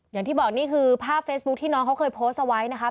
อย่างที่บอกนี่คือภาพเฟซบุ๊คที่น้องเขาเคยโพสต์เอาไว้นะคะ